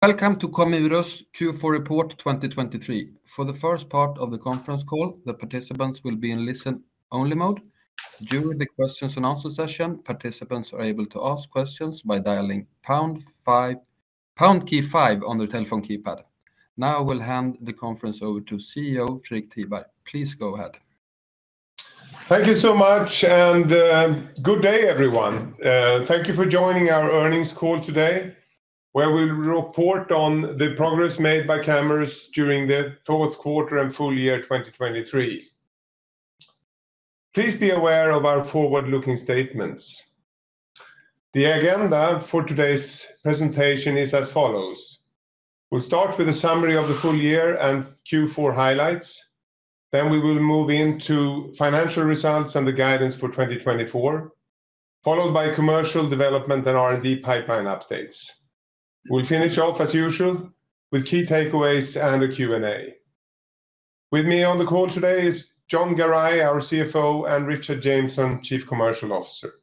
Welcome to Camurus Q4 Report 2023. For the first part of the conference call, the participants will be in listen-only mode. During the questions and answer session, participants are able to ask questions by dialing pound five, pound key five on their telephone keypad. Now, I will hand the conference over to CEO, Fredrik Tiberg. Please go ahead. Thank you so much, and good day, everyone. Thank you for joining our earnings call today, where we'll report on the progress made by Camurus during the fourth quarter and full year 2023. Please be aware of our forward-looking statements. The agenda for today's presentation is as follows: We'll start with a summary of the full year and Q4 highlights. Then we will move into financial results and the guidance for 2024, followed by commercial development and R&D pipeline updates. We'll finish off, as usual, with key takeaways and a Q&A. With me on the call today is Jon Garay, our CFO, and Richard Jameson, Chief Commercial Officer.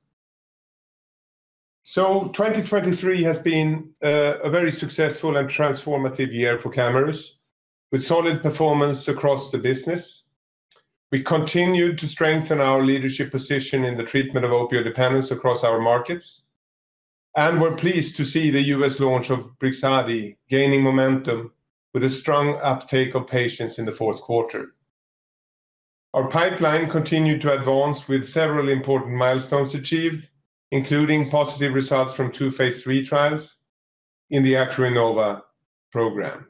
So 2023 has been a very successful and transformative year for Camurus, with solid performance across the business. We continued to strengthen our leadership position in the treatment of opioid dependence across our markets, and we're pleased to see the U.S. launch of Brixadi gaining momentum with a strong uptake of patients in the fourth quarter. Our pipeline continued to advance with several important milestones achieved, including positive results from 2 phase 3 trials in the ACRINOVA program.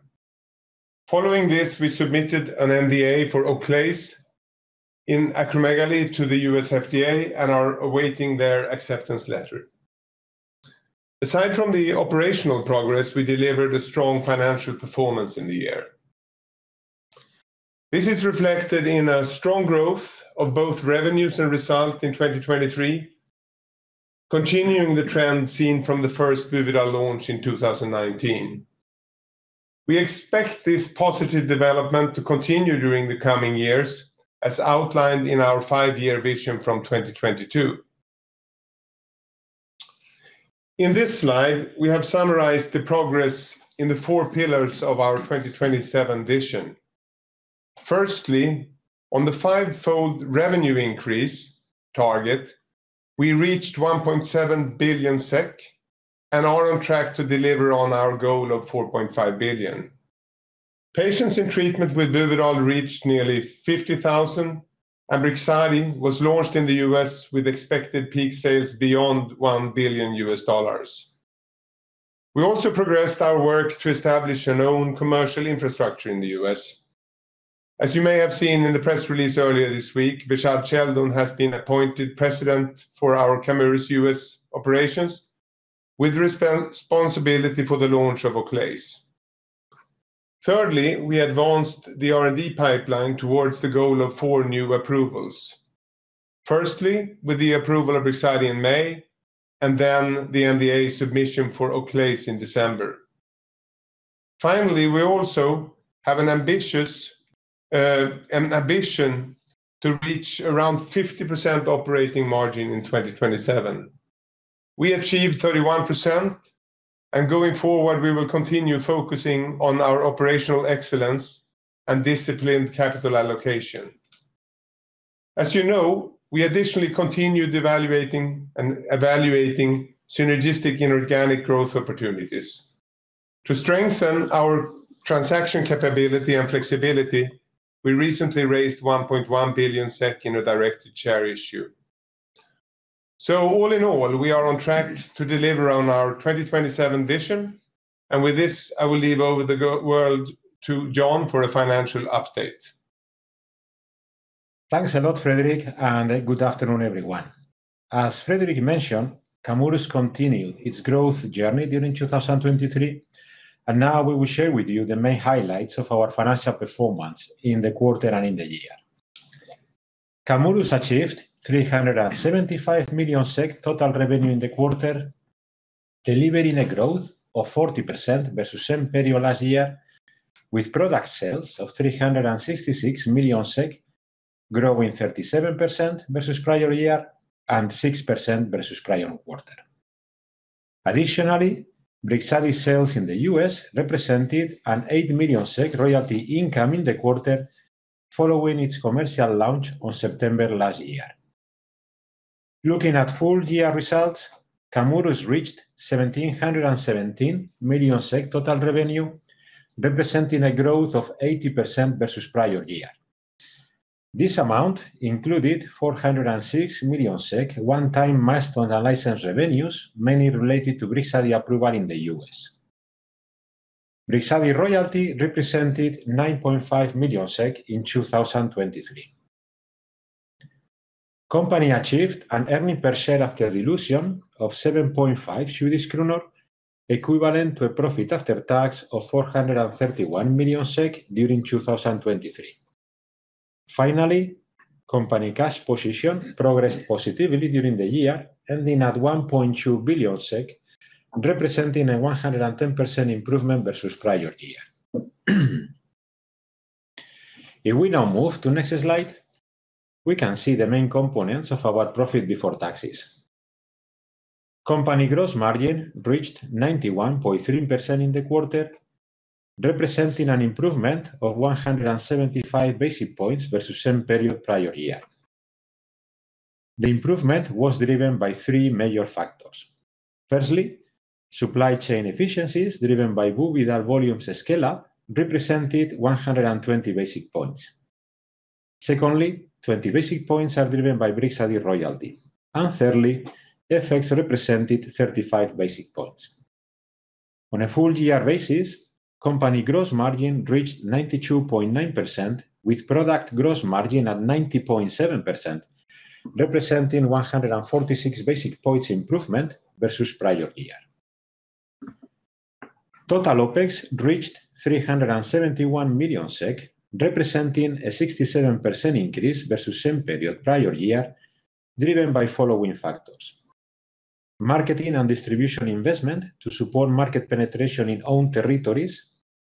Following this, we submitted an NDA for Oclaiz in acromegaly to the U.S. FDA and are awaiting their acceptance letter. Aside from the operational progress, we delivered a strong financial performance in the year. This is reflected in a strong growth of both revenues and results in 2023, continuing the trend seen from the first Buvidal launch in 2019. We expect this positive development to continue during the coming years, as outlined in our five-year vision from 2022. In this slide, we have summarized the progress in the four pillars of our 2027 vision. Firstly, on the fivefold revenue increase target, we reached 1.7 billion SEK, and are on track to deliver on our goal of 4.5 billion. Patients in treatment with Buvidal reached nearly 50,000, and Brixadi was launched in the U.S. with expected peak sales beyond $1 billion. We also progressed our work to establish an own commercial infrastructure in the U.S. As you may have seen in the press release earlier this week, Behshad Sheldon has been appointed President for our Camurus U.S. operations, with responsibility for the launch of Oclaiz. Thirdly, we advanced the R&D pipeline towards the goal of 4 new approvals. Firstly, with the approval of Brixadi in May, and then the NDA submission for Oclaiz in December. Finally, we also have an ambitious, an ambition to reach around 50% operating margin in 2027. We achieved 31%, and going forward, we will continue focusing on our operational excellence and disciplined capital allocation. As you know, we additionally continued evaluating synergistic inorganic growth opportunities. To strengthen our transaction capability and flexibility, we recently raised 1.1 billion SEK in a directed share issue. So all in all, we are on track to deliver on our 2027 vision, and with this, I will leave over the word to Jon for a financial update. Thanks a lot, Fredrik, and good afternoon, everyone. As Fredrik mentioned, Camurus continued its growth journey during 2023, and now we will share with you the main highlights of our financial performance in the quarter and in the year. Camurus achieved 375 million SEK total revenue in the quarter, delivering a growth of 40% versus same period last year, with product sales of 366 million SEK, growing 37% versus prior year and 6% versus prior quarter. Additionally, Brixadi sales in the U.S. represented an 8 million SEK royalty income in the quarter, following its commercial launch on September last year. Looking at full year results, Camurus reached 1,717 million SEK total revenue, representing a growth of 80% versus prior year. This amount included 406 million SEK, one-time milestone and license revenues, mainly related to Brixadi approval in the U.S. Brixadi royalty represented 9.5 million SEK in 2023. Company achieved an earnings per share after dilution of 7.5 Swedish kronor, equivalent to a profit after tax of 431 million SEK during 2023. Finally, company cash position progressed positively during the year, ending at 1.2 billion SEK, representing a 110% improvement versus prior year.... If we now move to next slide, we can see the main components of our profit before taxes. Company gross margin reached 91.3% in the quarter, representing an improvement of 175 basis points versus same period prior year. The improvement was driven by three major factors: firstly, supply chain efficiencies, driven by Buvidal volume scale-up, represented 120 basis points. Secondly, 20 basis points are driven by Brixadi royalty. And thirdly, FX represented 35 basis points. On a full year basis, company gross margin reached 92.9%, with product gross margin at 90.7%, representing 146 basis points improvement versus prior year. Total OpEx reached 371 million SEK, representing a 67% increase versus same period prior year, driven by following factors: marketing and distribution investment to support market penetration in own territories,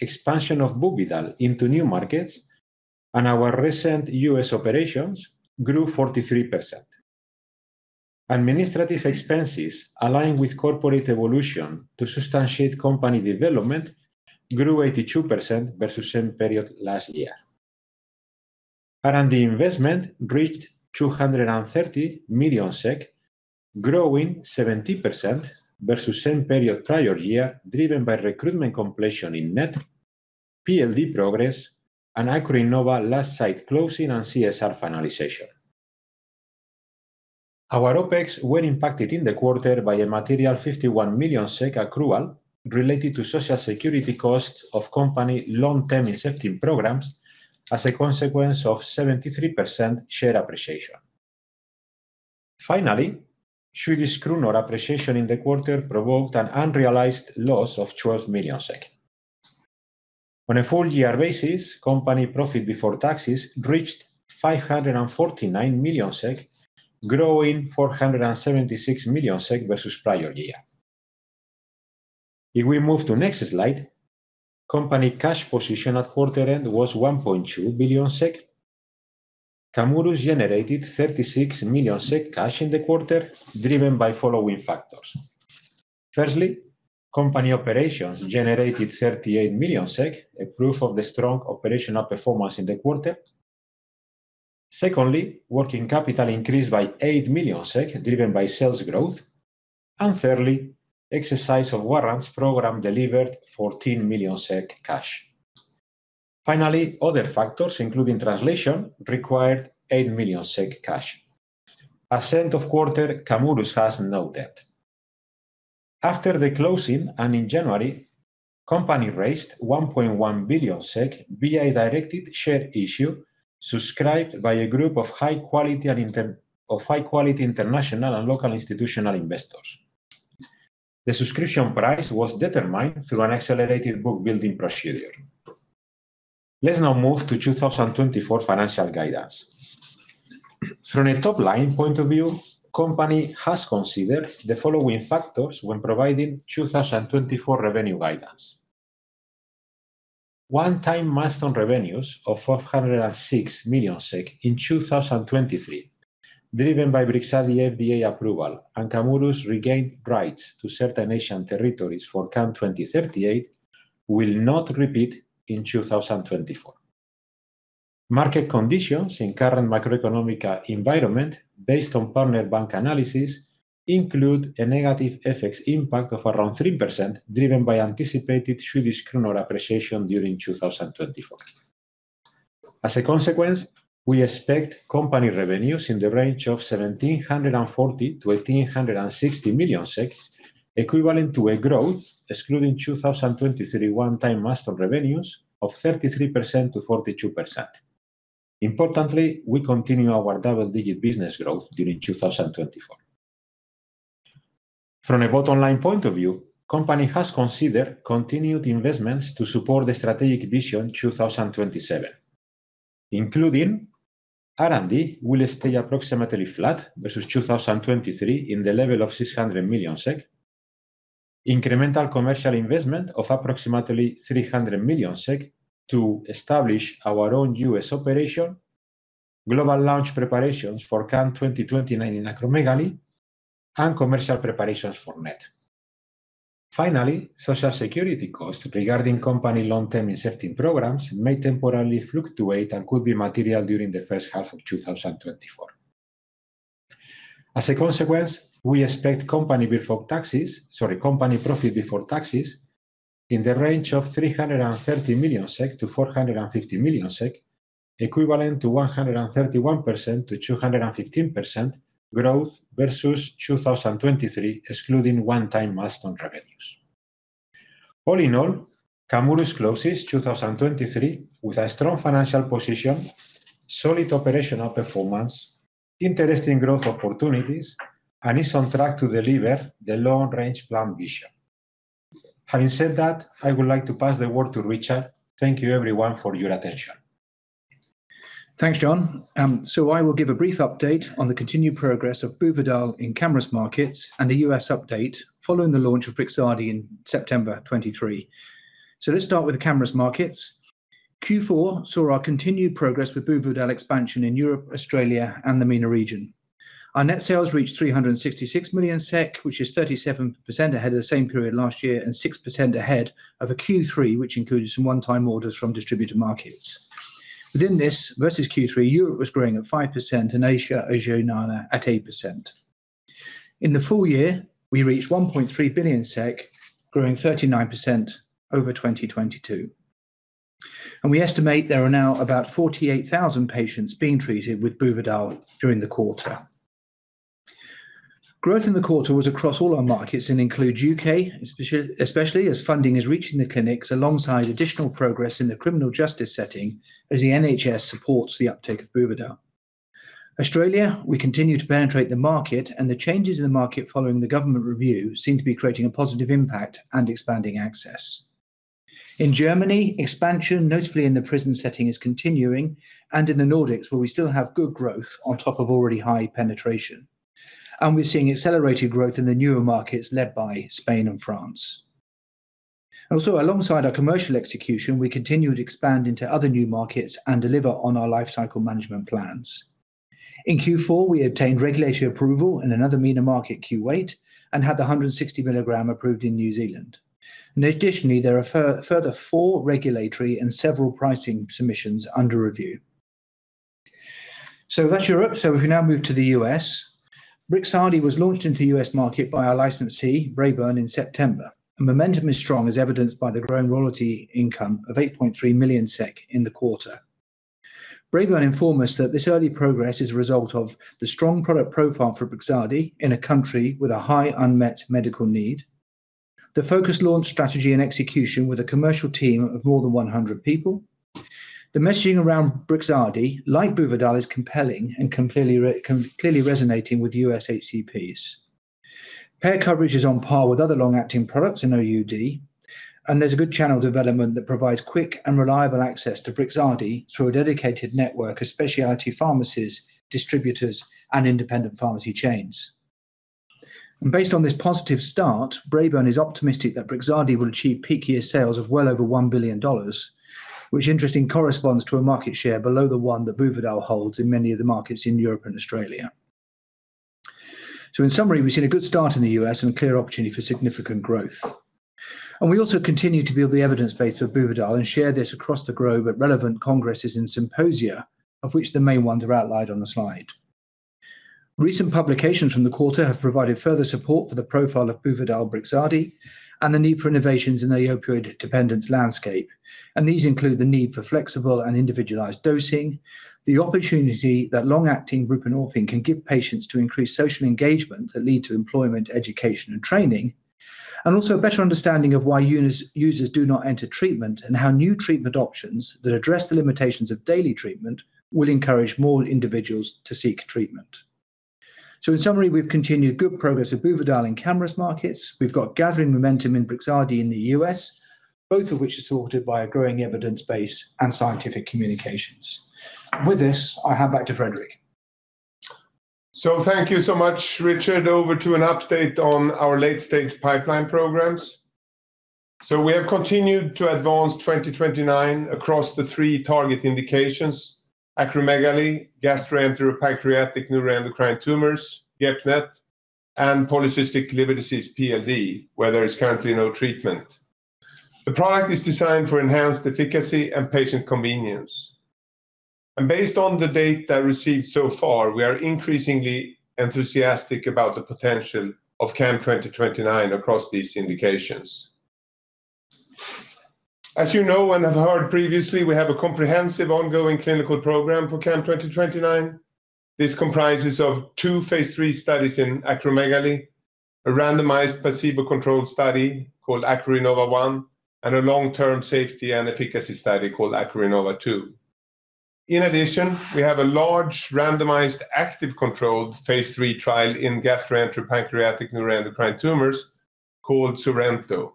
expansion of Buvidal into new markets, and our recent US operations grew 43%. Administrative expenses, aligned with corporate evolution to substantiate company development, grew 82% versus same period last year. R&D investment reached 230 million SEK, growing 70% versus same period prior year, driven by recruitment completion in NET, PLD progress, and ACRINOVA last site closing and CSR finalization. Our OpEx were impacted in the quarter by a material 51 million SEK accrual related to social security costs of company long-term incentive programs as a consequence of 73% share appreciation. Finally, Swedish krona appreciation in the quarter provoked an unrealized loss of 12 million. On a full year basis, company profit before taxes reached 549 million SEK, growing 476 million SEK versus prior year. If we move to next slide, company cash position at quarter end was 1.2 billion SEK. Camurus generated 36 million SEK cash in the quarter, driven by following factors. Firstly, company operations generated 38 million SEK, a proof of the strong operational performance in the quarter. Secondly, working capital increased by 8 million SEK, driven by sales growth. And thirdly, exercise of warrants program delivered 14 million SEK cash. Finally, other factors, including translation, required 8 million SEK cash. At end of quarter, Camurus has no debt. After the closing and in January, company raised 1.1 billion SEK via a directed share issue subscribed by a group of high quality international and local institutional investors. The subscription price was determined through an accelerated book building procedure. Let's now move to 2024 financial guidance. From a top-line point of view, company has considered the following factors when providing 2024 revenue guidance. One-time milestone revenues of 406 million SEK in 2023, driven by Brixadi FDA approval and Camurus regained rights to certain Asian territories for CAM2038, will not repeat in 2024. Market conditions in current macroeconomic environment, based on partner bank analysis, include a negative FX impact of around 3%, driven by anticipated Swedish krona appreciation during 2024. As a consequence, we expect company revenues in the range of 1,740 million-1,860 million, equivalent to a growth, excluding 2023 one-time milestone revenues, of 33%-42%. Importantly, we continue our double-digit business growth during 2024. From a bottom-line point of view, company has considered continued investments to support the strategic vision 2027, including R&D will stay approximately flat versus 2023 in the level of 600 million SEK, incremental commercial investment of approximately 300 million SEK to establish our own U.S. operation, global launch preparations for CAM2029 in acromegaly, and commercial preparations for NET. Finally, social security costs regarding company long-term incentive programs may temporarily fluctuate and could be material during the first half of 2024. As a consequence, we expect company profit before taxes, in the range of 330 million-450 million SEK, equivalent to 131%-215% growth versus 2023, excluding one-time milestone revenues. All in all, Camurus closes 2023 with a strong financial position, solid operational performance, interesting growth opportunities, and is on track to deliver the long-range plan vision. Having said that, I would like to pass the word to Richard. Thank you everyone for your attention. Thanks, Jon. So I will give a brief update on the continued progress of Buvidal in Camurus markets and the US update following the launch of Brixadi in September 2023. So let's start with the Camurus markets. Q4 saw our continued progress with Buvidal expansion in Europe, Australia, and the MENA region. Our net sales reached 366 million SEK, which is 37% ahead of the same period last year, and 6% ahead of a Q3, which included some one-time orders from distributor markets. Within this, versus Q3, Europe was growing at 5% and Australia, MENA at 8%. In the full year, we reached 1.3 billion SEK, growing 39% over 2022. And we estimate there are now about 48,000 patients being treated with Buvidal during the quarter. Growth in the quarter was across all our markets and includes U.K., especially as funding is reaching the clinics, alongside additional progress in the criminal justice setting as the NHS supports the uptake of Buvidal. Australia, we continue to penetrate the market, and the changes in the market following the government review seem to be creating a positive impact and expanding access. In Germany, expansion, notably in the prison setting, is continuing and in the Nordics, where we still have good growth on top of already high penetration. We're seeing accelerated growth in the newer markets, led by Spain and France. Also, alongside our commercial execution, we continue to expand into other new markets and deliver on our lifecycle management plans. In Q4, we obtained regulatory approval in another MENA market, Kuwait, and had the 160 mg approved in New Zealand. Additionally, there are further four regulatory and several pricing submissions under review. That's Europe. We can now move to the U.S. Brixadi was launched into the U.S. market by our licensee, Braeburn, in September, and momentum is strong, as evidenced by the growing royalty income of 8.3 million SEK in the quarter. Braeburn informed us that this early progress is a result of the strong product profile for Brixadi in a country with a high unmet medical need. The focused launch strategy and execution with a commercial team of more than 100 people. The messaging around Brixadi, like Buvidal, is compelling and completely clearly resonating with U.S. HCPs. Payer coverage is on par with other long-acting products in OUD, and there's a good channel development that provides quick and reliable access to Brixadi through a dedicated network of specialty pharmacies, distributors, and independent pharmacy chains. Based on this positive start, Braeburn is optimistic that Brixadi will achieve peak year sales of well over $1 billion, which interestingly corresponds to a market share below the one that Buvidal holds in many of the markets in Europe and Australia. In summary, we've seen a good start in the U.S. and a clear opportunity for significant growth. We also continue to build the evidence base of Buvidal and share this across the globe at relevant congresses and symposia, of which the main ones are outlined on the slide. Recent publications from the quarter have provided further support for the profile of Buvidal, Brixadi, and the need for innovations in the opioid dependence landscape. These include the need for flexible and individualized dosing, the opportunity that long-acting buprenorphine can give patients to increase social engagement that lead to employment, education, and training, and also a better understanding of why users do not enter treatment, and how new treatment options that address the limitations of daily treatment will encourage more individuals to seek treatment. In summary, we've continued good progress of Buvidal in Camurus markets. We've got gathering momentum in Brixadi in the U.S., both of which are supported by a growing evidence base and scientific communications. With this, I hand back to Fredrik. Thank you so much, Richard. Over to an update on our late-stage pipeline programs. We have continued to advance 2029 across the three target indications: acromegaly, gastroenteropancreatic neuroendocrine tumors, GEP-NET, and polycystic liver disease, PLD, where there is currently no treatment. The product is designed for enhanced efficacy and patient convenience. Based on the data that received so far, we are increasingly enthusiastic about the potential of CAM2029 across these indications. As you know and have heard previously, we have a comprehensive ongoing clinical program for CAM2029. This comprises of two phase 3 studies in acromegaly, a randomized placebo-controlled study called ACRINOVA-1, and a long-term safety and efficacy study called ACRINOVA-2. In addition, we have a large randomized, active controlled phase 3 trial in gastroenteropancreatic neuroendocrine tumors called SORENTO.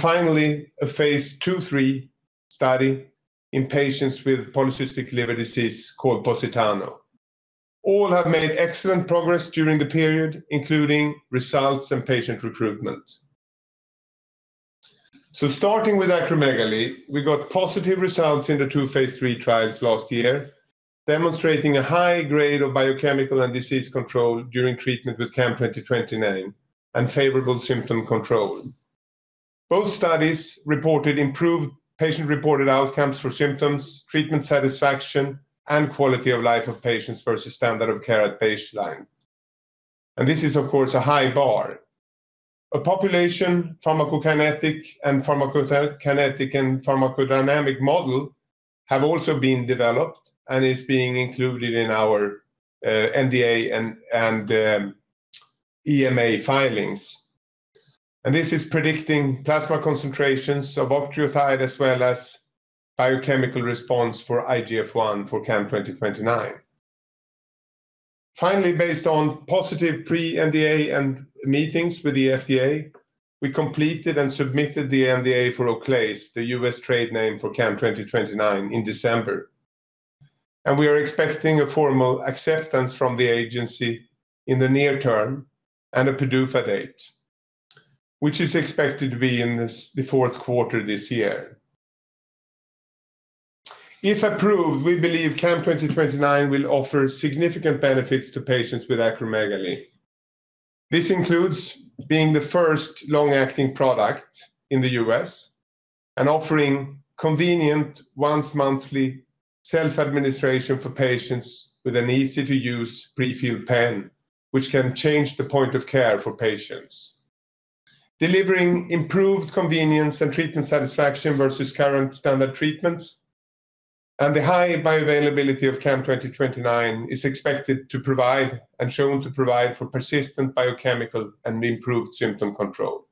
Finally, a phase 2-3 study in patients with polycystic liver disease called POSITANO. All have made excellent progress during the period, including results and patient recruitment. Starting with acromegaly, we got positive results in the two phase 3 trials last year, demonstrating a high grade of biochemical and disease control during treatment with CAM2029 and favorable symptom control. Both studies reported improved patient-reported outcomes for symptoms, treatment satisfaction, and quality of life of patients versus standard of care at baseline. This is, of course, a high bar. A population pharmacokinetic and pharmacodynamic model have also been developed and is being included in our NDA and EMA filings. This is predicting plasma concentrations of octreotide as well as biochemical response for IGF-1 for CAM2029. Finally, based on positive pre-NDA and meetings with the FDA, we completed and submitted the NDA for Oclaiz, the U.S. trade name for CAM2029, in December. We are expecting a formal acceptance from the agency in the near term and a PDUFA date, which is expected to be in this, the fourth quarter this year. If approved, we believe CAM2029 will offer significant benefits to patients with acromegaly. This includes being the first long-acting product in the U.S. and offering convenient once-monthly self-administration for patients with an easy-to-use prefilled pen, which can change the point of care for patients. Delivering improved convenience and treatment satisfaction versus current standard treatments, and the high bioavailability of CAM2029 is expected to provide and shown to provide for persistent biochemical and improved symptom control.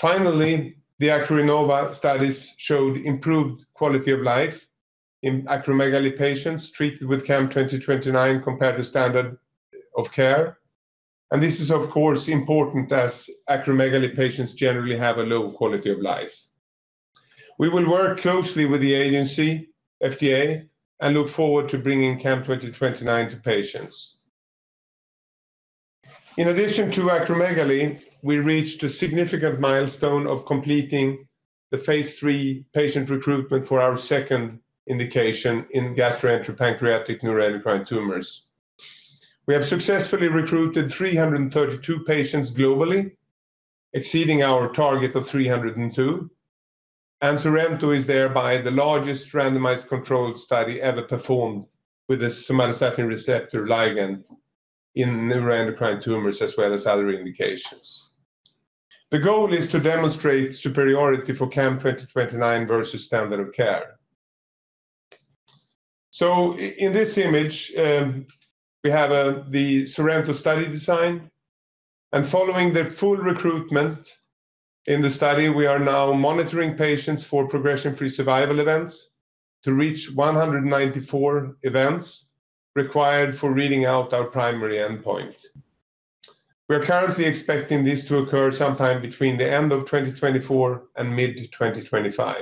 Finally, the ACRINOVA studies showed improved quality of life in acromegaly patients treated with CAM2029 compared to standard of care. This is, of course, important as acromegaly patients generally have a low quality of life. We will work closely with the agency, FDA, and look forward to bringing CAM2029 to patients. In addition to acromegaly, we reached a significant milestone of completing the phase 3 patient recruitment for our second indication in gastroenteropancreatic neuroendocrine tumors. We have successfully recruited 332 patients globally, exceeding our target of 302. SORENTO is thereby the largest randomized controlled study ever performed with a somatostatin receptor ligand in neuroendocrine tumors, as well as other indications. The goal is to demonstrate superiority for CAM2029 versus standard of care. So in this image, we have the SORENTO study design, and following the full recruitment in the study, we are now monitoring patients for progression-free survival events to reach 194 events required for reading out our primary endpoint. We are currently expecting this to occur sometime between the end of 2024 and mid 2025.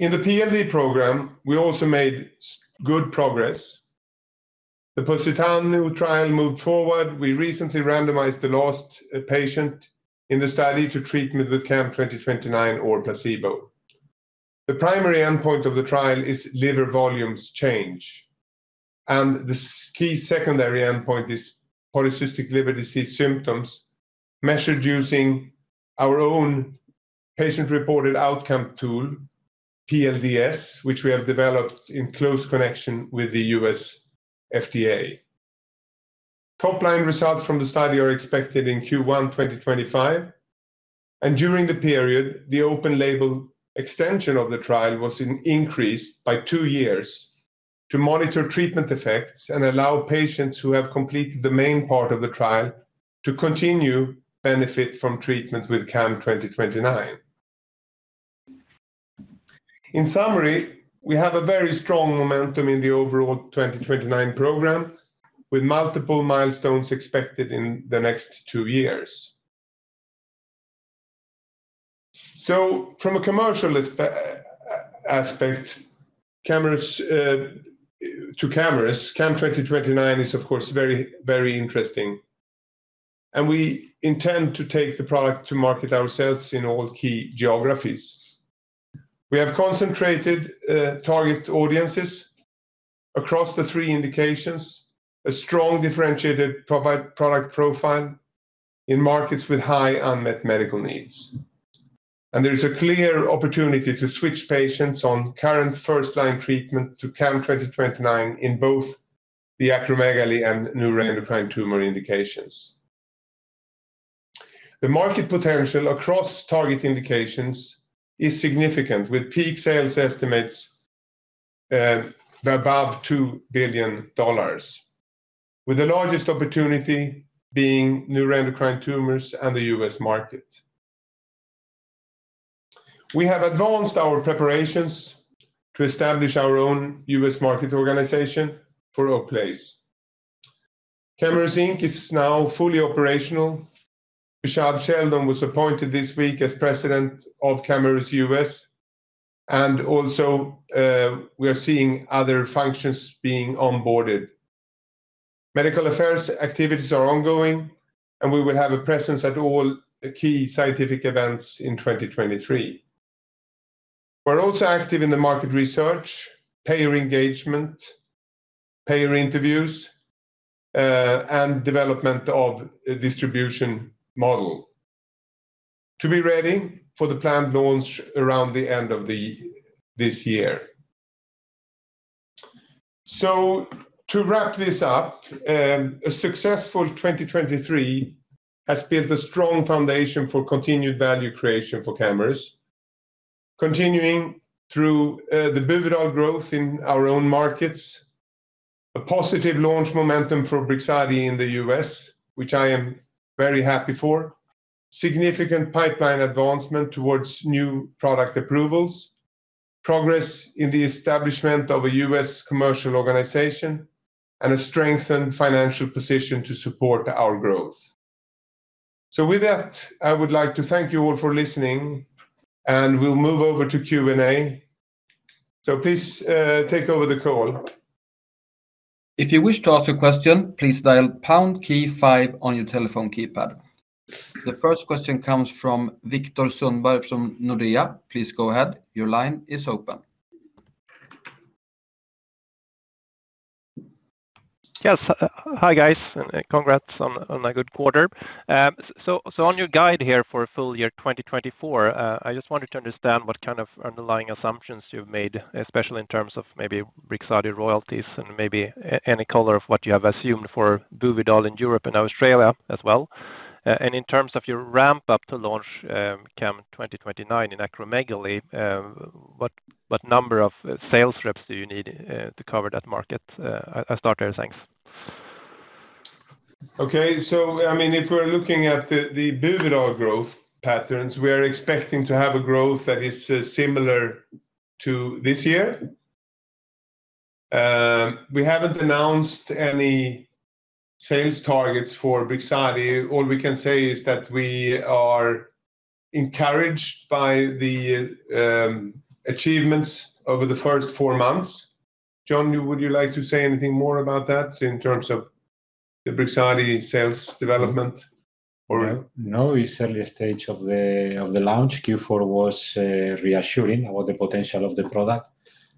In the PLD program, we also made good progress. The POSITANO trial moved forward. We recently randomized the last patient in the study to treatment with CAM2029 or placebo. The primary endpoint of the trial is liver volumes change, and the key secondary endpoint is polycystic liver disease symptoms, measured using our own patient-reported outcome tool, PLD-S, which we have developed in close connection with the US FDA. Top-line results from the study are expected in Q1 2025, and during the period, the open label extension of the trial was increased by two years to monitor treatment effects and allow patients who have completed the main part of the trial to continue benefit from treatment with CAM2029. In summary, we have a very strong momentum in the overall 2029 program, with multiple milestones expected in the next two years. From a commercial aspect, Camurus to Camurus, CAM2029 is of course, very, very interesting, and we intend to take the product to market ourselves in all key geographies. We have concentrated target audiences across the three indications, a strong differentiated product profile in markets with high unmet medical needs. There is a clear opportunity to switch patients on current first-line treatment to CAM2029 in both the acromegaly and neuroendocrine tumor indications. The market potential across target indications is significant, with peak sales estimates above $2 billion, with the largest opportunity being neuroendocrine tumors and the U.S. market. We have advanced our preparations to establish our own U.S. market organization for Oclaiz. Camurus Inc. is now fully operational. Behshad Sheldon was appointed this week as President of Camurus US, and also, we are seeing other functions being onboarded. Medical affairs activities are ongoing, and we will have a presence at all key scientific events in 2023. We're also active in the market research, payer engagement, payer interviews, and development of a distribution model to be ready for the planned launch around the end of this year. So to wrap this up, a successful 2023 has built a strong foundation for continued value creation for Camurus. Continuing through the pivotal growth in our own markets, a positive launch momentum for Brixadi in the US, which I am very happy for... significant pipeline advancement towards new product approvals, progress in the establishment of a US commercial organization, and a strengthened financial position to support our growth. With that, I would like to thank you all for listening, and we'll move over to Q&A. Please, take over the call. If you wish to ask a question, please dial pound key five on your telephone keypad. The first question comes from Viktor Sundberg from Nordea. Please go ahead. Your line is open. Yes. Hi, guys, and congrats on a good quarter. So on your guide here for full year 2024, I just wanted to understand what kind of underlying assumptions you've made, especially in terms of maybe Brixadi royalties and maybe any color of what you have assumed for Buvidal in Europe and Australia as well. And in terms of your ramp up to launch, CAM2029 in acromegaly, what number of sales reps do you need to cover that market? I'll start there. Thanks. Okay. I mean, if we're looking at the Buvidal growth patterns, we are expecting to have a growth that is similar to this year. We haven't announced any sales targets for Brixadi. All we can say is that we are encouraged by the achievements over the first four months. Jon, would you like to say anything more about that in terms of the Brixadi sales development or? No, it's early stage of the launch. Q4 was reassuring about the potential of the product,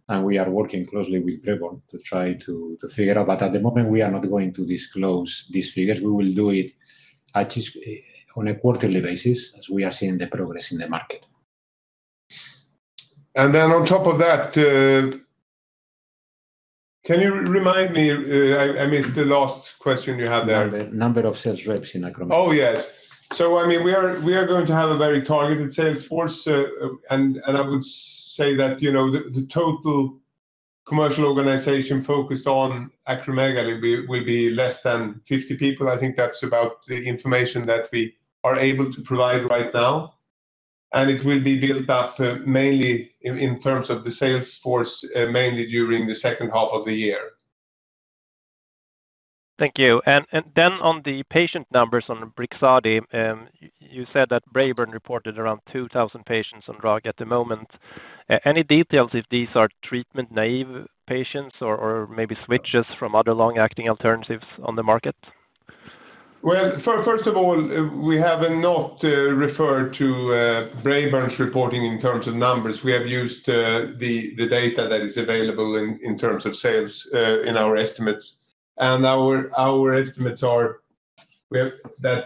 and we are working closely with Braeburn to try to figure out. But at the moment, we are not going to disclose these figures. We will do it at least on a quarterly basis as we are seeing the progress in the market. And then on top of that, can you remind me? I missed the last question you had there? The number of sales reps in acromegaly. Oh, yes. So I mean, we are going to have a very targeted sales force, and I would say that, you know, the total commercial organization focused on acromegaly will be less than 50 people. I think that's about the information that we are able to provide right now, and it will be built up mainly in terms of the sales force, mainly during the second half of the year. Thank you. And then on the patient numbers on Brixadi, you said that Braeburn reported around 2,000 patients on drug at the moment. Any details if these are treatment-naive patients or maybe switches from other long-acting alternatives on the market? Well, first of all, we have not referred to Braeburn's reporting in terms of numbers. We have used the data that is available in terms of sales in our estimates. And our estimates are that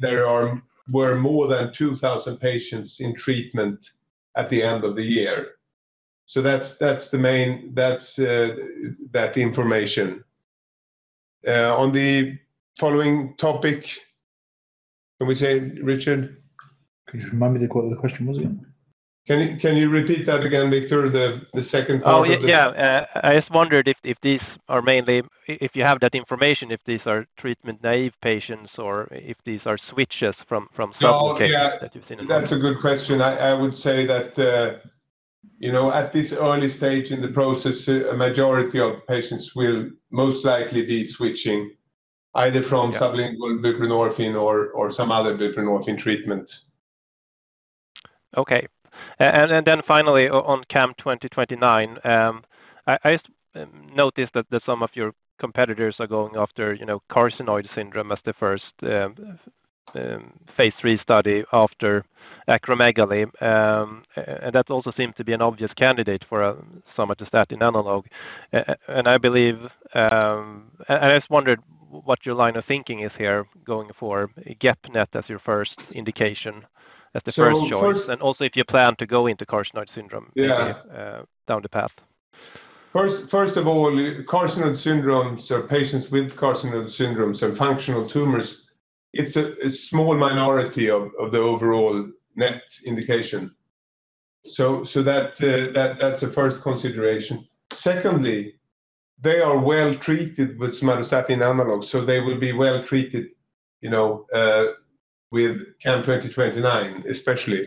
there were more than 2,000 patients in treatment at the end of the year. So that's the main, that's that information. On the following topic, can we say, Richard? Can you remind me what the question was again? Can you repeat that again, Victor, the second part of the- Oh, yeah. I just wondered if these are mainly, if you have that information, treatment-naive patients or switches from sublinguals that you've seen? That's a good question. I would say that, you know, at this early stage in the process, a majority of patients will most likely be switching either from- Yeah... sublingual buprenorphine or some other buprenorphine treatment. Okay. And then finally, on CAM2029, I just noticed that some of your competitors are going after, you know, carcinoid syndrome as the first phase 3 study after acromegaly. And that also seems to be an obvious candidate for a somatostatin analog. And I believe I just wondered what your line of thinking is here, going for GEP-NET as your first indication, as the first choice. So first- And also, if you plan to go into carcinoid syndrome- Yeah... down the path. First of all, carcinoid syndromes or patients with carcinoid syndromes or functional tumors, it's a small minority of the overall NET indication. So that's the first consideration. Secondly, they are well treated with somatostatin analogs, so they will be well treated, you know, with CAM2029, especially,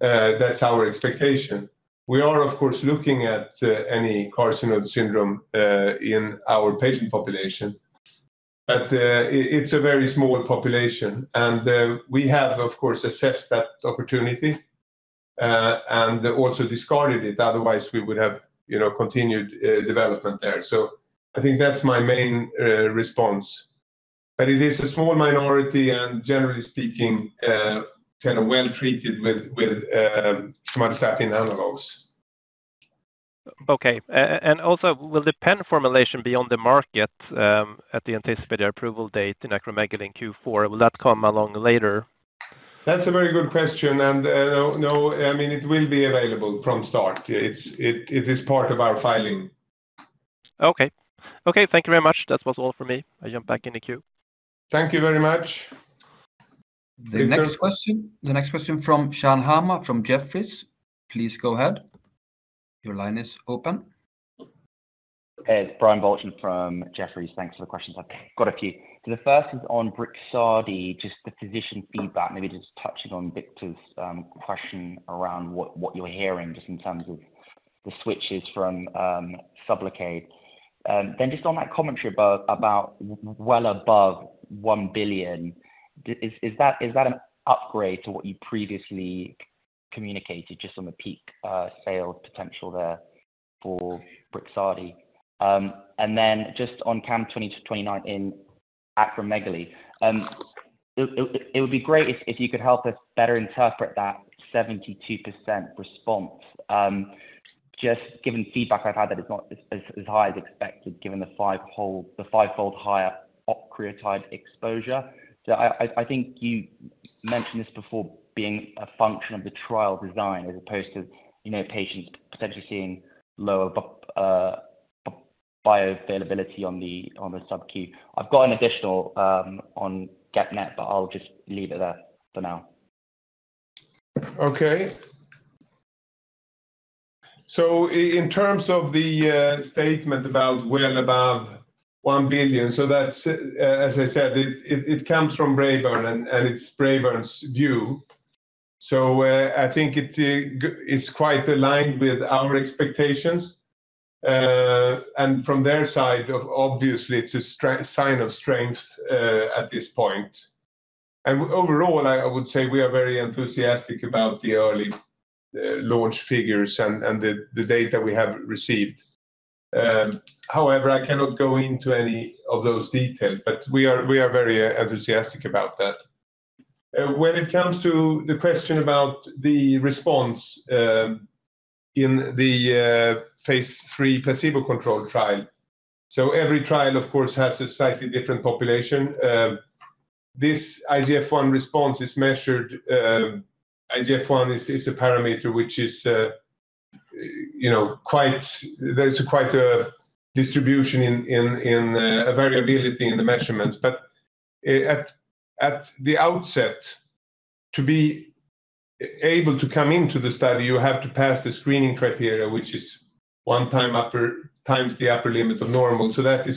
that's our expectation. We are, of course, looking at any carcinoid syndrome in our patient population, but it's a very small population, and we have, of course, assessed that opportunity and also discarded it. Otherwise, we would have, you know, continued development there. So I think that's my main response. But it is a small minority and generally speaking, kind of well treated with somatostatin analogs. Okay. And also, will the pen formulation be on the market at the anticipated approval date in acromegaly in Q4? Will that come along later? That's a very good question, and no, I mean, it will be available from start. It's part of our filing. Okay. Okay, thank you very much. That was all for me. I jump back in the queue. Thank you very much. Victor- The next question from Sean Hama from Jefferies. Please go ahead. Your line is open. It's Brian Balchin from Jefferies. Thanks for the questions. I've got a few. So the first is on Brixadi, just the physician feedback, maybe just touching on Victor's question around what you're hearing just in terms of the switches from Sublocade. Then just on that commentary about well above $1 billion, is that an upgrade to what you previously communicated just on the peak sales potential there for Brixadi? And then just on CAM2029 in acromegaly. It would be great if you could help us better interpret that 72% response. Just given feedback I've had that it's not as high as expected, given the fivefold higher octreotide exposure. So I think you mentioned this before being a function of the trial design, as opposed to, you know, patients potentially seeing lower bioavailability on the subcu. I've got an additional on GEP-NET, but I'll just leave it there for now. Okay. So in terms of the statement about well above $1 billion, so that's, as I said, it, it, it comes from Braeburn, and, and it's Braeburn's view. So, I think it, it's quite aligned with our expectations. And from their side of obviously, it's a sign of strength, at this point. And overall, I, I would say we are very enthusiastic about the early, launch figures and, and the, the data we have received. However, I cannot go into any of those details, but we are, we are very enthusiastic about that. When it comes to the question about the response, in the, phase 3 placebo-controlled trial. So every trial, of course, has a slightly different population. This IGF-1 response is measured. IGF-1 is a parameter which is, you know, quite- there's quite a distribution in, in, variability in the measurements. But at the outset, to be able to come into the study, you have to pass the screening criteria, which is one time upper, times the upper limit of normal. So that is.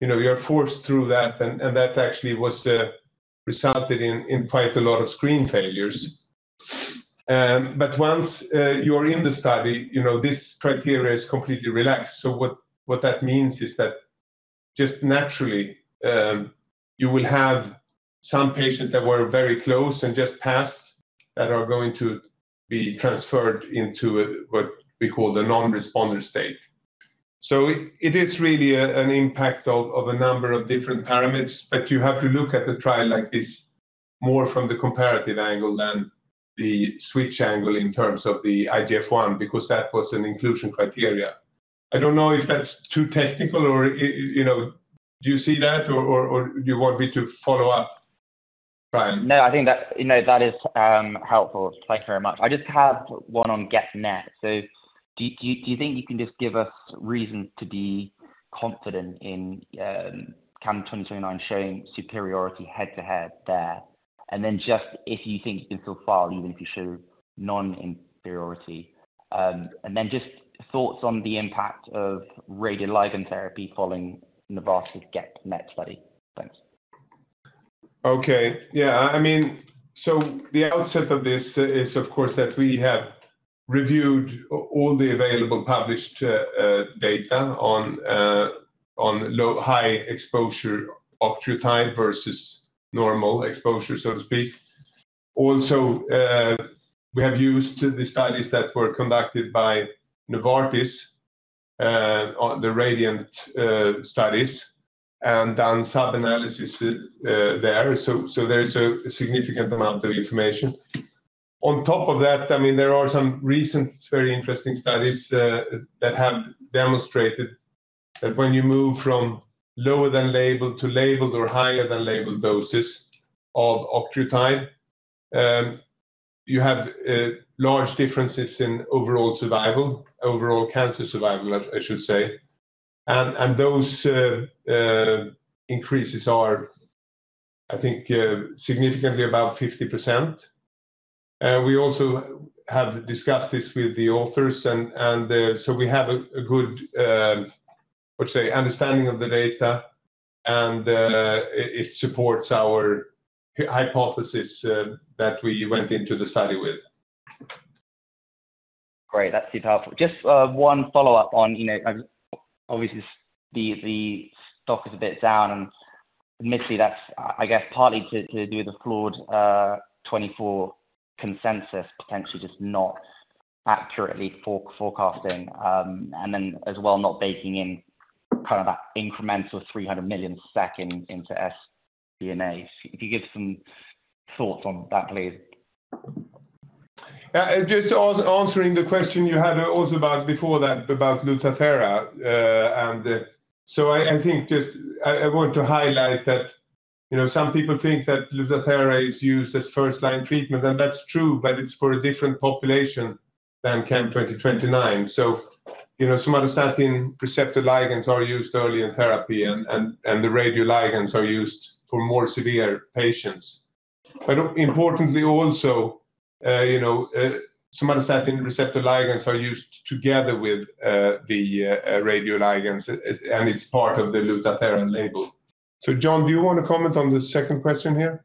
You know, we are forced through that, and that actually was resulted in quite a lot of screen failures. But once you're in the study, you know, this criteria is completely relaxed. So what that means is that just naturally, you will have some patients that were very close and just passed, that are going to be transferred into a, what we call the non-responder state. So it is really an impact of a number of different parameters, but you have to look at the trial like this, more from the comparative angle than the switch angle in terms of the IGF-1, because that was an inclusion criteria. I don't know if that's too technical or, you know, do you see that, or do you want me to follow up, Brian? No, I think that, you know, that is helpful. Thank you very much. I just have one on GEP-NET. So do you think you can just give us reason to be confident in CAM2029 showing superiority head-to-head there? And then just if you think it can still file, even if you show non-inferiority. And then just thoughts on the impact of radioligand therapy following Novartis GEP-NET study. Thanks. Okay. Yeah, I mean... So the outset of this is, of course, that we have reviewed all the available published data on low, high exposure octreotide versus normal exposure, so to speak. Also, we have used the studies that were conducted by Novartis on the RADIANT studies, and done sub-analysis there. So there is a significant amount of information. On top of that, I mean, there are some recent, very interesting studies that have demonstrated that when you move from lower than labeled to labeled or higher than labeled doses of octreotide, you have large differences in overall survival, overall cancer survival, I should say. And those increases are, I think, significantly about 50%. We also have discussed this with the authors and so we have a good, let's say, understanding of the data, and it supports our hypothesis that we went into the study with. Great, that's super helpful. Just one follow-up on, you know, obviously, the stock is a bit down, and admittedly, that's, I guess, partly to do with the flawed 2024 consensus, potentially just not accurately forecasting. And then as well, not baking in kind of that incremental 300 million into SG&A. If you could give some thoughts on that, please. Just answering the question you had also about before that, about Lutathera. And so I think I want to highlight that, you know, some people think that Lutathera is used as first-line treatment, and that's true, but it's for a different population than CAM2029. So, you know, somatostatin receptor ligands are used early in therapy, and the radioligands are used for more severe patients.... but importantly also, you know, somatostatin receptor ligands are used together with the radioligands, and it's part of the Lutathera label. So, Jon, do you want to comment on the second question here?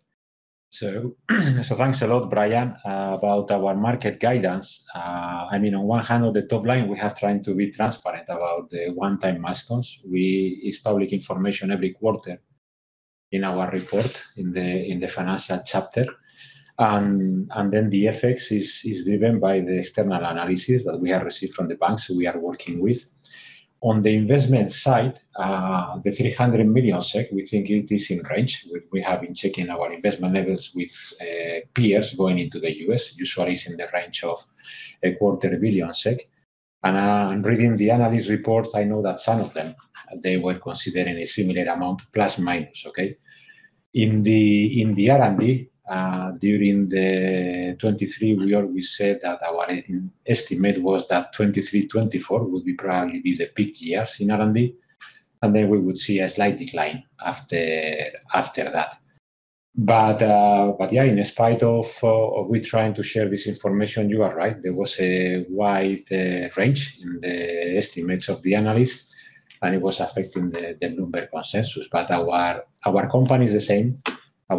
So, thanks a lot, Brian. About our market guidance, I mean, on one hand, on the top line, we have trying to be transparent about the one-time milestones. It's public information every quarter in our report, in the financial chapter. And then the effects is driven by the external analysis that we have received from the banks we are working with. On the investment side, the 300 million SEK, we think it is in range. We have been checking our investment levels with peers going into the US. Usually, it's in the range of 250 million SEK. And in reading the analyst reports, I know that some of them, they were considering a similar amount, plus, minus, okay? In the R&D, during the 2023, we said that our estimate was that 2023, 2024 would probably be the peak years in R&D, and then we would see a slight decline after that. But yeah, in spite of we trying to share this information, you are right, there was a wide range in the estimates of the analyst, and it was affecting the Bloomberg consensus. But our company is the same,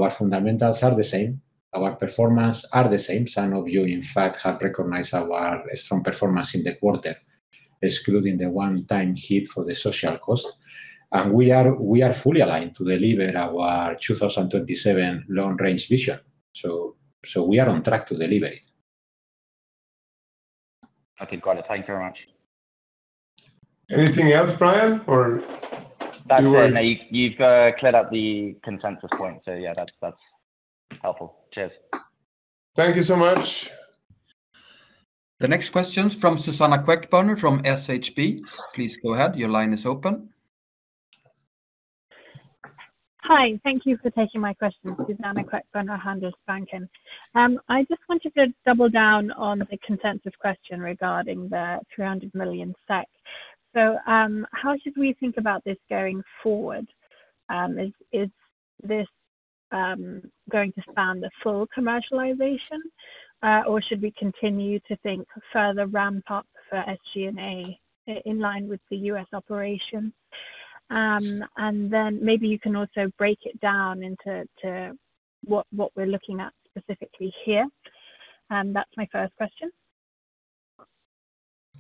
our fundamentals are the same, our performance are the same. Some of you, in fact, have recognized our strong performance in the quarter, excluding the one-time hit for the social cost. And we are fully aligned to deliver our 2027 long-range vision. So we are on track to deliver it. Okay, got it. Thank you very much. Anything else, Brian, or you are- That's it. You've cleared up the consensus point, so yeah, that's, that's helpful. Cheers. Thank you so much. The next question is from Suzanna Queckbörner from SHB. Please go ahead. Your line is open. Hi, thank you for taking my question. Suzanna Queckbörner, Handelsbanken. I just wanted to double down on the consensus question regarding the 300 million. So, how should we think about this going forward? Is this going to span the full commercialization, or should we continue to think further ramp up for SG&A in line with the U.S. operation? And then maybe you can also break it down into to what we're looking at specifically here. That's my first question.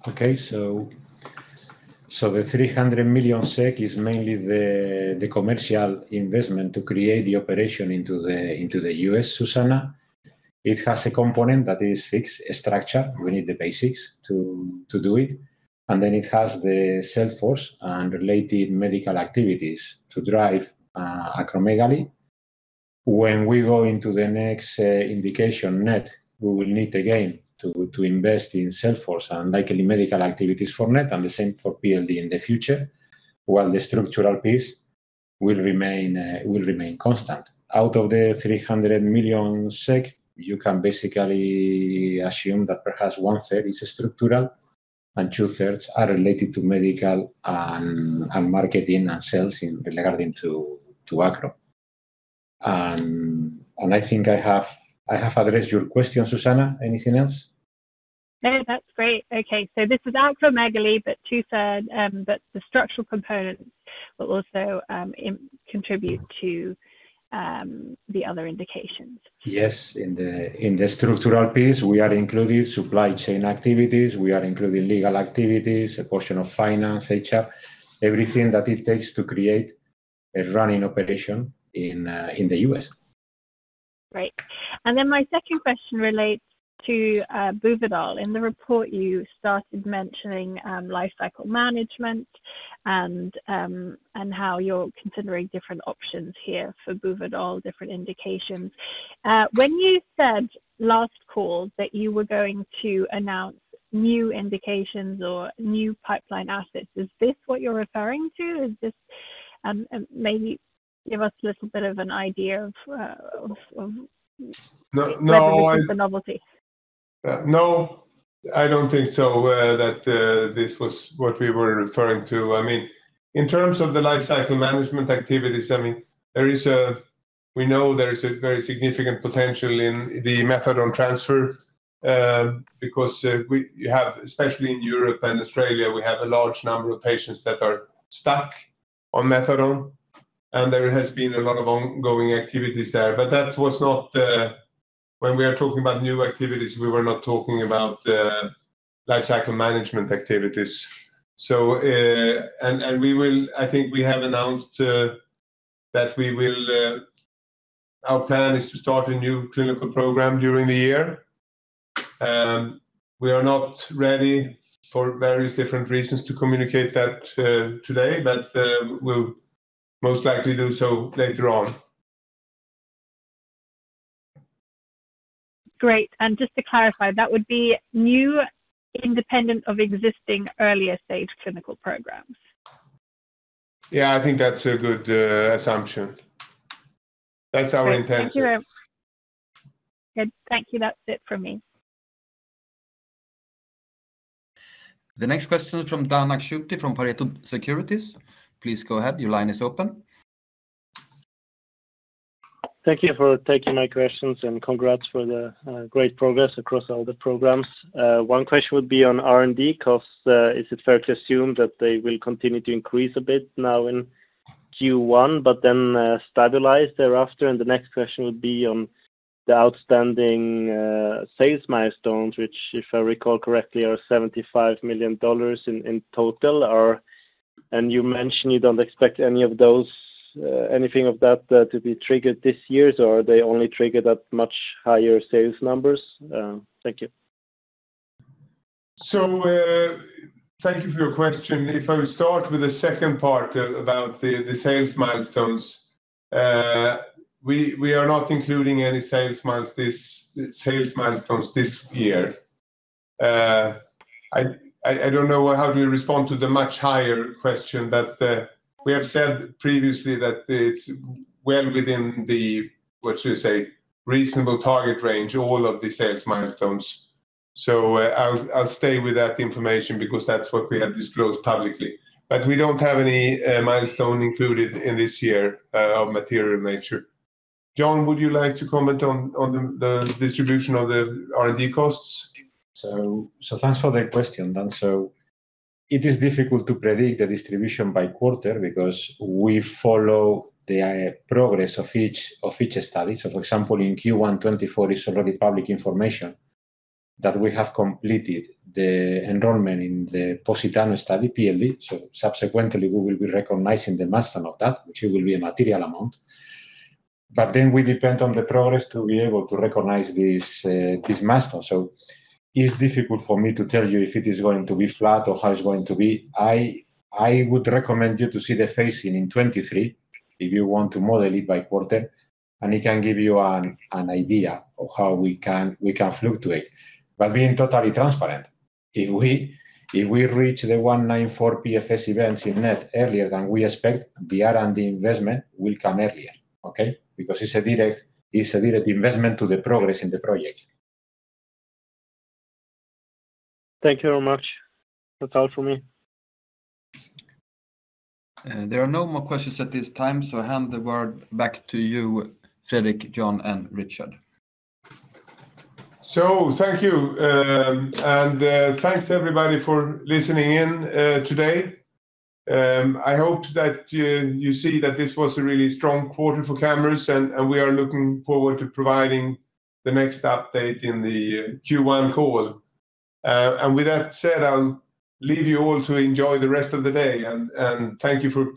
Okay. So, so the 300 million SEK is mainly the, the commercial investment to create the operation into the, into the U.S., Susanna. It has a component that is fixed structure. We need the basics to, to do it, and then it has the sales force and related medical activities to drive acromegaly. When we go into the next indication, NET, we will need again to, to invest in sales force and likely medical activities for NET, and the same for PLD in the future, while the structural piece will remain, will remain constant. Out of the 300 million SEK, you can basically assume that perhaps one-third is structural and two-thirds are related to medical and, and marketing and sales in regarding to, to acro. And, and I think I have, I have addressed your question, Susanna. Anything else? No, that's great. Okay, so this is acromegaly, but two-thirds, but the structural components will also contribute to the other indications. Yes, in the structural piece, we are including supply chain activities, we are including legal activities, a portion of finance, HR, everything that it takes to create a running operation in the US. Great. And then my second question relates to Buvidal. In the report, you started mentioning lifecycle management and how you're considering different options here for Buvidal, different indications. When you said last call that you were going to announce new indications or new pipeline assets, is this what you're referring to? Is this... Maybe give us a little bit of an idea of of- No, no. -the novelty. No, I don't think so, that this was what we were referring to. I mean, in terms of the lifecycle management activities, I mean, we know there is a very significant potential in the methadone transfer, because we have, especially in Europe and Australia, we have a large number of patients that are stuck on methadone, and there has been a lot of ongoing activities there. But that was not when we are talking about new activities. We were not talking about lifecycle management activities. So, we will. I think we have announced that we will. Our plan is to start a new clinical program during the year. We are not ready for various different reasons to communicate that today, but we'll most likely do so later on. Great, and just to clarify, that would be new, independent of existing earlier-stage clinical programs? Yeah, I think that's a good assumption. That's our intention. Thank you. Good. Thank you. That's it from me. The next question is from Dan Akschuti from Pareto Securities. Please go ahead. Your line is open. Thank you for taking my questions, and congrats for the great progress across all the programs. One question would be on R&D costs. Is it fair to assume that they will continue to increase a bit now in Q1, but then stabilize thereafter? And the next question would be on the outstanding sales milestones, which, if I recall correctly, are $75 million in total or... And you mentioned you don't expect any of those, anything of that, to be triggered this year, or are they only triggered at much higher sales numbers? Thank you. So, thank you for your question. If I start with the second part about the sales milestones, we are not including any sales milestones this year. I don't know how to respond to the much higher question, but we have said previously that it's well within the what should I say, reasonable target range, all of the sales milestones. So, I'll stay with that information because that's what we have disclosed publicly. But we don't have any milestone included in this year of material nature. Jon, would you like to comment on the distribution of the R&D costs? So, so thanks for the question, Dan. So it is difficult to predict the distribution by quarter because we follow the progress of each study. So for example, in Q1 2024, it's already public information that we have completed the enrollment in the POSITANO study, PLD. So subsequently, we will be recognizing the milestone of that, which will be a material amount. But then we depend on the progress to be able to recognize this milestone. So it's difficult for me to tell you if it is going to be flat or how it's going to be. I would recommend you to see the phasing in 2023, if you want to model it by quarter, and it can give you an idea of how we can fluctuate. But being totally transparent, if we, if we reach the 194 PFS events in NET earlier than we expect, the R&D investment will come earlier, okay? Because it's a direct, it's a direct investment to the progress in the project. Thank you very much. That's all for me. There are no more questions at this time, so I hand the word back to you, Fredrik, Jon, and Richard. Thank you, and thanks, everybody, for listening in, today. I hope that you see that this was a really strong quarter for Camurus, and we are looking forward to providing the next update in the Q1 call. With that said, I'll leave you all to enjoy the rest of the day, and thank you for-